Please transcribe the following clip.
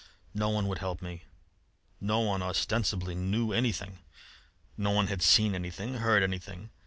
No one would help me. No one ostensibly knew anything; no one had seen anything, heard anything.